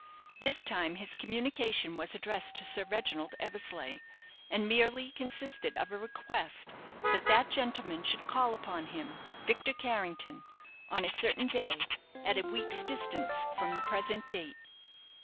This time his communication was addressed to Sir Reginald Eversleigh, and merely consisted of a request that that gentleman should call upon him Victor Carrington on a certain day, at a week's distance from the present date.